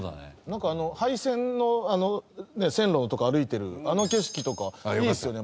なんかあの廃線の線路とか歩いてるあの景色とかいいっすよね。